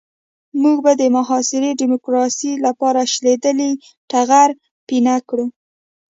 موږ به د معاصرې ديموکراسۍ لپاره شلېدلی ټغر پينه کړو.